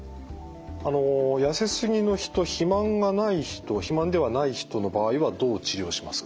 痩せすぎの人肥満がない人肥満ではない人の場合はどう治療しますか？